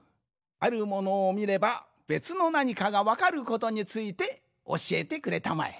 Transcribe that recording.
あるものをみればべつのなにかがわかることについておしえてくれたまえ。